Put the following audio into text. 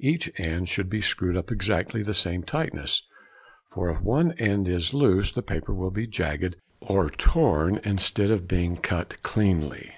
Each end should be screwed up to exactly the same tightness, for if one end is loose the paper will be jagged or torn instead of being cut cleanly.